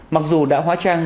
mặc dù đã hóa trang